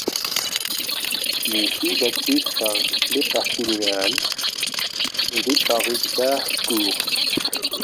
Il fut battu par le Parti libéral conduit par Richard Court.